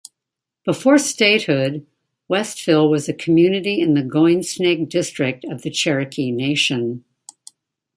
Before statehood, Westville was a community in the Goingsnake District of the Cherokee Nation.